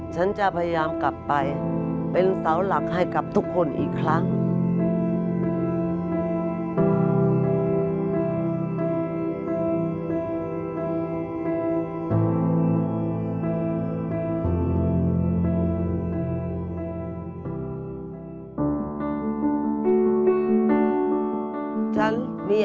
ฉันจะพยายามกลับไปเป็นเสาหลักให้กับทุกคนอีกครั้ง